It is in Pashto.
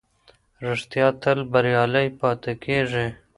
رښتيا تل بريالی پاتې کېږي.